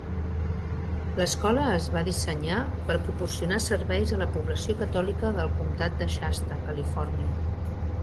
L'escola es va dissenyar per proporcionar serveis a la població catòlica del comtat de Shasta, Califòrnia.